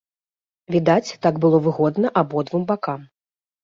Відаць, так было выгодна абодвум бакам.